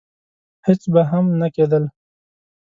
هېڅ به هم نه کېدل.